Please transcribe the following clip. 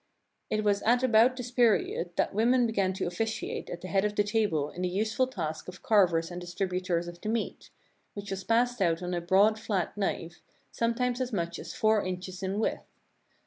It was at about this period that women began to officiate at the head of the table in the useful task of carvers and distributors of the meat, which was passed out on a broad, flat knife, sometimes as much as four inches in width.